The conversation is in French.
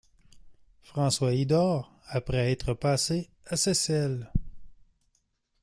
François y dort après être passé à Seyssel.